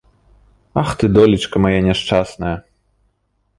Ах ты, долечка мая няшчасная!